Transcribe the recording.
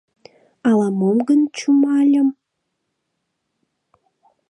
Ала-мом гын чумальым: